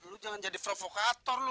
lu jangan jadi provokator lu ya